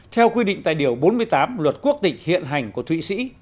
theo quy định tại điều bốn mươi tám luật quốc tịch hiện hành của thụy sĩ